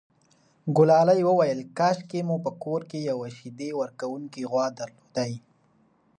ګلالۍ وویل کاشکې مو په کور کې یوه شیدې ورکوونکې غوا درلودای.